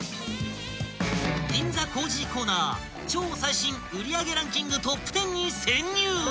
［銀座コージーコーナー超最新売上ランキングトップ１０に潜入］